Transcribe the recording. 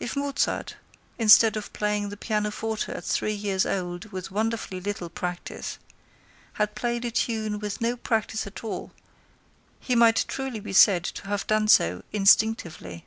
If Mozart, instead of playing the pianoforte at three years old with wonderfully little practice, had played a tune with no practice at all, be might truly be said to have done so instinctively.